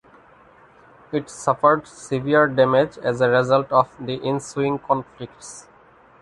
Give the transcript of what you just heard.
It suffered severe damage as a result of the ensuing conflicts.